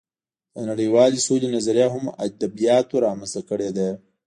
د نړۍوالې سولې نظریه هم ادبیاتو رامنځته کړې ده